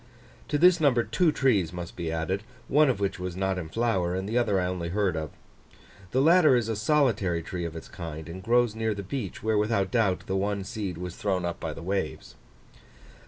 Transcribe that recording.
To this number two trees must be added; one of which was not in flower, and the other I only heard of. The latter is a solitary tree of its kind, and grows near the beach, where, without doubt, the one seed was thrown up by the waves.